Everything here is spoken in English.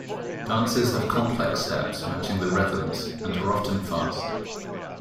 Dances have complex steps matching the rhythms, and are often fast.